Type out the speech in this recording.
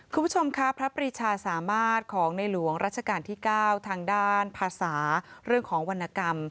คุณผู้ชมครับพระปริชาสามารถของในหลวงรัชกาลที่๙ทางด้านภาษาเรื่องของวรรณกรรม